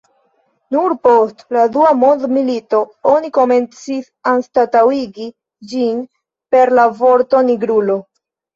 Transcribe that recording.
Nur post la dua mondmilito oni komencis anstataŭigi ĝin per la vorto "nigrulo".